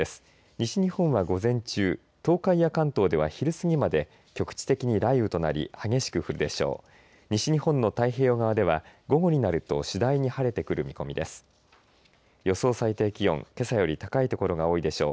西日本は午前中東海や関東では昼過ぎまで局地的に雷雨となり激しく降るでしょう。